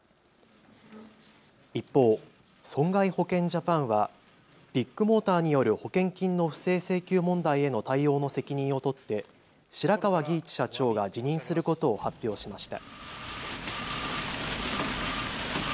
一方、損害保険ジャパンはビッグモーターによる保険金の不正請求問題への対応の責任を取って白川儀一社長が辞任することを発表しました。